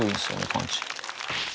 パンチ。